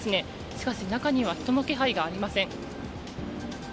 しかし、中には人の気配がありません。